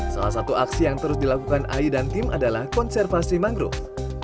salah satu aksi yang terus dilakukan ayu dan tim adalah konservasi mangrove